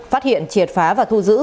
phát hiện triệt phá và thu giữ